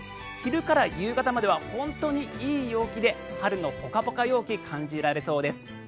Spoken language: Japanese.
昼から夕方までは本当にいい陽気で春のポカポカ陽気を感じられそうです。